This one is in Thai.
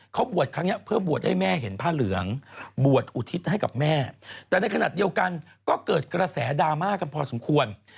เขาบวชครั้งนี้เพื่อบวชให้แม่เห็นผ้าเหลืองบวชอุทิศให้กับแม่แต่ในขณะเดียวกันก็เกิดกระแสดราม่ากันพอสมควร